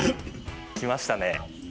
きましたね。